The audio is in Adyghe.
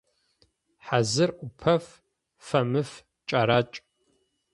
Хьазыр ӏупэф, фэмыф кӏэракӏ.